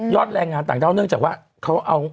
ยอดแรงงานต่างเจ้าเนื่องจากว่า